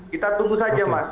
kita tunggu saja mas